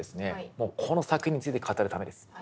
もうこの作品について語るためです。